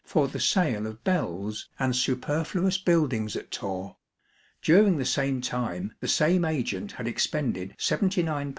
for the sake of bells and superfluous buildings at Torre. During the same time the same agent had expended £79 13s.